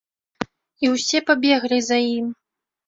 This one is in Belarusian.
І ўсе пабеглі за ім.